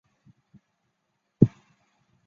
田浦站横须贺线的铁路车站。